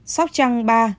sóc trăng ba